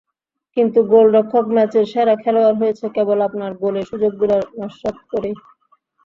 কিন্তু গোলরক্ষক ম্যাচের সেরা খেলোয়াড় হয়েছে কেবল আপনার গোলের সুযোগগুলো নস্যাৎ করেই।